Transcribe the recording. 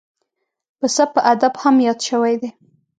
پسه په ادب کې هم یاد شوی دی.